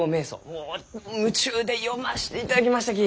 もう夢中で読ましていただきましたき！